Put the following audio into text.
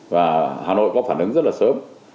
và hà nội có phản ứng rất là sớm